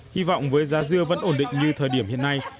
hy vọng với giá dưa vẫn ổn định như thời điểm hiện nay